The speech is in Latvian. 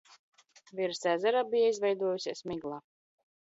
Virs ezera bija izveidojusies migla.